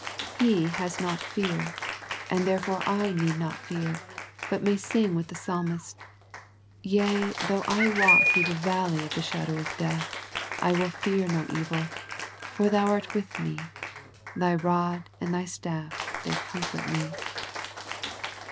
He has not fear, and therefore I need not fear but may sing with the Psalmist, " Yea, though I walk through the valley of the shadow of death, I will fear no evil ; for Thou art with me : Thy rod and Thy staff, they comfort me."